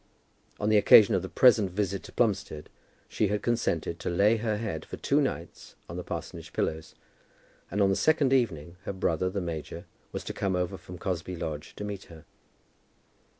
On the occasion of the present visit to Plumstead she had consented to lay her head for two nights on the parsonage pillows, and on the second evening her brother the major was to come over from Cosby Lodge to meet her.